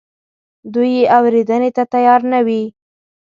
دوی یې اورېدنې ته تیار نه وي.